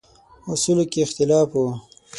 اصولو کې اختلاف و.